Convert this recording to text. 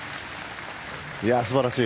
すばらしい。